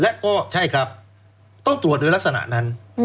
และก็ใช่ครับต้องตรวจโดยลักษณะนั้น